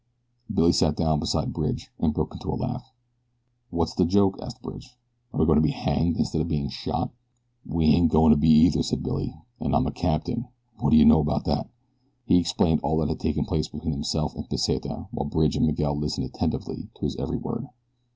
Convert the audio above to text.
Billy sat down beside Bridge, and broke into a laugh. "What's the joke?" asked Bridge. "Are we going to be hanged instead of being shot?" "We ain't goin' to be either," said Billy, "an' I'm a captain. Whaddaya know about that?" He explained all that had taken place between himself and Pesita while Bridge and Miguel listened attentively to his every word.